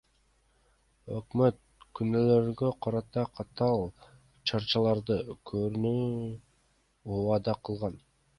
Өкмөт күнөөлүүлөргө карата катаал чараларды көрүүнү убада кылган.